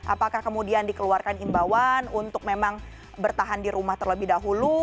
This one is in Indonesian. apakah kemudian dikeluarkan imbauan untuk memang bertahan di rumah terlebih dahulu